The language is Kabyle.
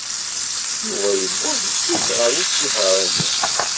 Yuba yewweḍ-d zik ɣer usihaṛ-nnes.